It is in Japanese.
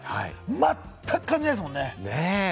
まったく感じないですもんね。